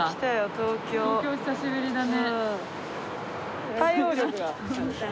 東京久しぶりだね。